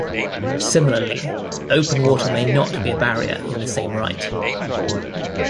Similarly, open water may not be a barrier in the same right.